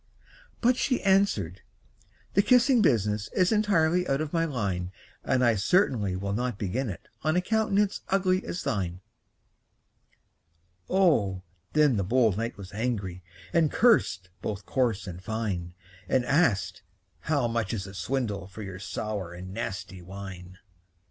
But she answered, "The kissing business Is entirely out of my line; And I certainly will not begin it On a countenance ugly as thine!" Oh, then the bold knight was angry, And cursed both coarse and fine; And asked, "How much is the swindle For your sour and nasty wine?"